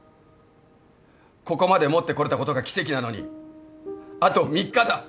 ここまで持ってこれたことが奇跡なのにあと３日だ。